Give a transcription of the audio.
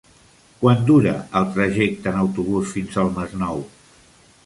Quant dura el trajecte en autobús fins al Masnou?